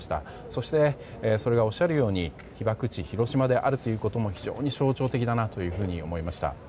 そして、それがおっしゃるように被爆地・広島であるということも非常に象徴的だなと思いました。